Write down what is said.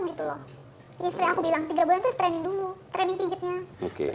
seperti yang aku bilang tiga bulan itu di training dulu training pijatnya